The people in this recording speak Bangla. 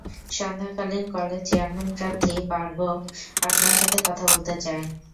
সন্ধ্যাকালীন কলেজ চেয়ারম্যানপ্রার্থী বার্গভ আপনার সাথে কথা বলতে চায়।